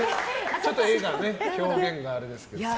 ちょっと表現があれですけど。